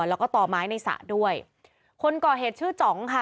แล้วก็ต่อไม้ในสระด้วยคนก่อเหตุชื่อจ๋องค่ะ